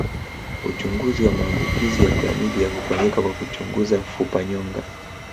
Uchunguzi wa maambukizi ya klamidia hufanyika kwa kuchunguza fupanyonga